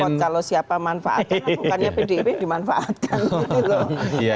ini rekod kalau siapa manfaatkan maka pdip dimanfaatkan